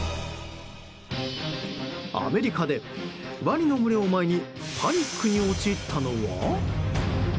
アメリカでワニの群れを前にパニックに陥ったのは？